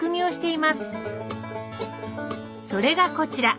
それがこちら。